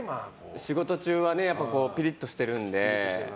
仕事中はピリッとしてるので。